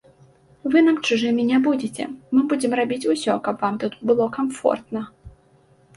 Вы нам чужымі не будзеце, мы будзем рабіць усё, каб вам тут было камфортна.